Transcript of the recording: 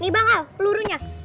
nih bangal lurunya